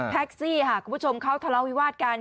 แท็กซี่ค่ะคุณผู้ชมเขาทะเลาวิวาสกัน